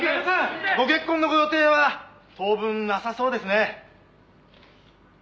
ご結婚のご予定は当分なさそうですね？」